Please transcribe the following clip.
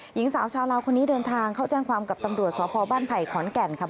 หญิงสาวชาวลาวคนนี้เดินทางเข้าแจ้งความกับตำรวจสพบ้านไผ่ขอนแก่นค่ะ